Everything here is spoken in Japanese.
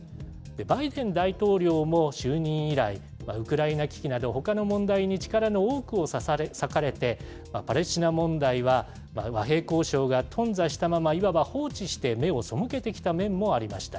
バイデン大統領も就任以来、ウクライナ危機など、ほかの問題に力の多くを割かれて、パレスチナ問題は和平交渉が頓挫したまま、いわば放置して目を背けてきた面もありました。